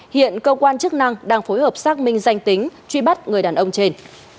hiện cơ quan chức năng đang phối hợp xác minh danh tính truy bắt người đàn ông trên